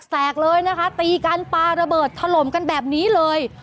แตกเลยนะคะตีกันปลาระเบิดถล่มกันแบบนี้เลย